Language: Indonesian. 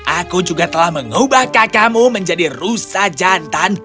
aku juga telah mengubah kakakmu menjadi rusa jantan